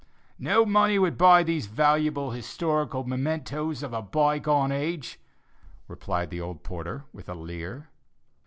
"No money would buy these valuable historical mementos of a by gone age," replied the old porter with a leer.